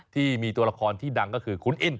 ที่มีตัวละครที่ดังก็คือคุณอิน